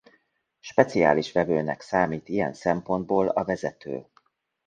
Speciális vevőnek számít ilyen szempontból a vezető.